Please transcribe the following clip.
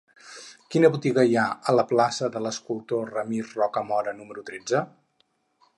Quina botiga hi ha a la plaça de l'Escultor Ramir Rocamora número tretze?